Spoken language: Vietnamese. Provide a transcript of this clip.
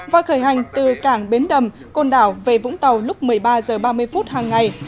và khởi hành từ cảng bến đầm côn đảo về vũng tàu lúc một mươi ba h ba mươi phút hàng ngày